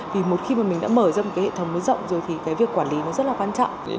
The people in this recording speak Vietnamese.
vì một khi mà mình đã mở ra một cái hệ thống mới rộng rồi thì cái việc quản lý nó rất là quan trọng